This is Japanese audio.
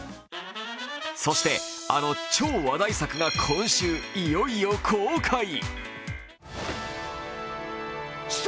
そして、あの超話題作が今週、いよいよ公開。